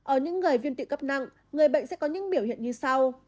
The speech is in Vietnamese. ở những người viên tị cấp nặng người bệnh sẽ có những biểu hiện như sau